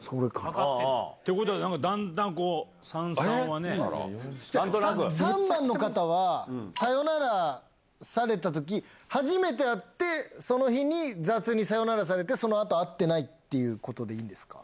ということは、だんだん３は３番の方は、さよならされたとき、初めて会って、その日に雑にさよならされて、そのあと、会ってないっていうことでいいですか？